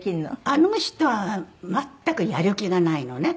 あの人は全くやる気がないのね。